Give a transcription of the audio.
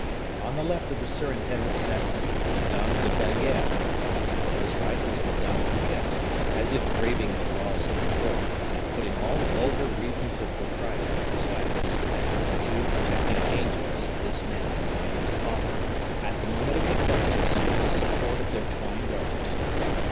On the left of the surintendant sat Madame de Belliere; on his right was Madame Fouquet; as if braving the laws of the world, and putting all vulgar reasons of propriety to silence, the two protecting angels of this man united to offer, at the moment of the crisis, the support of their twined arms.